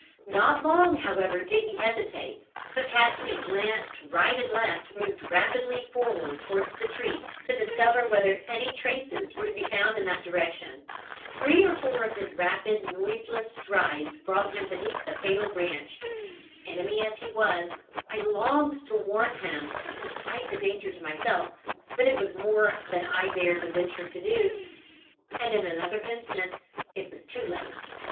"Not long, however, did he hesitate, but, casting a glance right and left, moved rapidly forward towards the tree, to discover whether any traces were to be found in that direction. Three or four of his rapid, noiseless strides brought him beneath the fatal branch: enemy as he was, I longed to warn him, despite the danger to myself, but it was more than I dared venture to do, and in another instant it was too late.